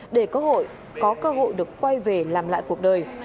để có cơ hội được quay về làm lại cuộc đời